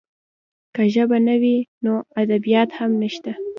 که ژبه نه وي، نو ادبیات هم نشته.